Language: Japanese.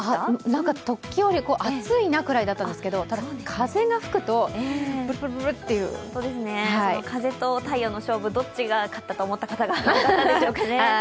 なんか時折暑いなぐらいだったんですがただ、風が吹くと、ぷるぷるぷるっていうその風と太陽の勝負、どっちが勝ったと思った方が多かったでしょうか。